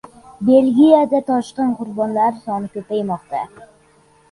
Belgiyada toshqin qurbonlari soni ko‘paymoqda.